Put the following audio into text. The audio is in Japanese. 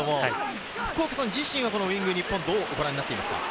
福岡さん自身はウイングの日本をどうご覧になっていますか？